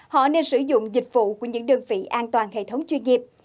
họ nên sử dụng dịch vụ của những đơn vị an toàn hệ thống chuyên nghiệp